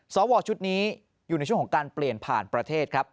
สวชุดนี้อยู่ในช่วงของการเปลี่ยนผ่านประเทศครับ